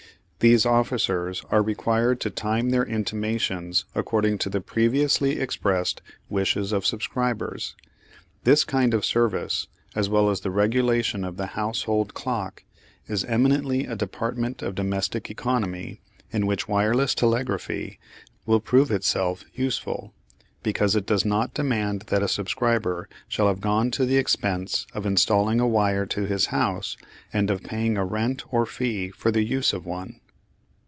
These officers are required to time their intimations according to the previously expressed wishes of subscribers. This kind of service, as well as the regulation of the household clock, is eminently a department of domestic economy in which wireless telegraphy will prove itself useful, because it does not demand that a subscriber shall have gone to the expense of installing a wire to his house and of paying a rent or fee for the use of one.